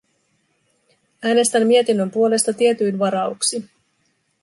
Äänestän mietinnön puolesta tietyin varauksin.